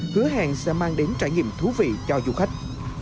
hứa hẹn sẽ mang đến trải nghiệm thú vị cho du khách